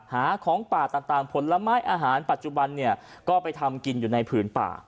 หาของป่าต่างผลไม้อาหารปัจจุบันเนี่ยก็ไปทำกินอยู่ในผืนป่า